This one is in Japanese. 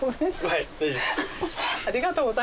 はい。